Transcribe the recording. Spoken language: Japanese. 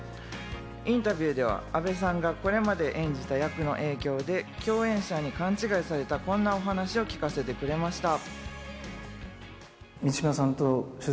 インタビューでは阿部さんがこれまで演じた役の影響で共演者に勘違いされた、こんなお話を聞かせてくれました。